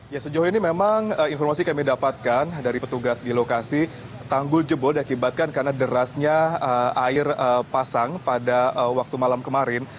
ya sejauh ini memang informasi kami dapatkan dari petugas di lokasi tanggul jebol diakibatkan karena derasnya air pasang pada waktu malam kemarin